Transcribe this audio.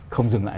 không dừng lại